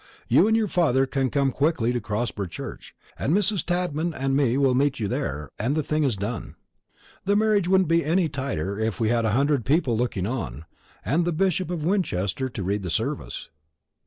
You and your father can come quietly to Crosber church, and Mrs. Tadman and me will meet you there, and the thing's done. The marriage wouldn't be any the tighter if we had a hundred people looking on, and the Bishop of Winchester to read the service."